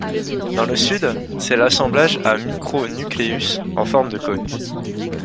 Dans le Sud, c'est l'assemblage à micro-nucléus en forme de cône.